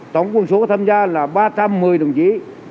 tổng quân số tham gia là ba trăm một mươi đồng chí